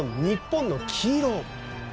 日本の黄色。